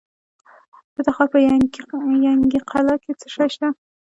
د تخار په ینګي قلعه کې څه شی شته؟